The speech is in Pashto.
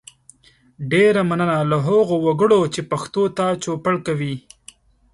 ډیره مننه له هغو وګړو چې پښتو ته چوپړ کوي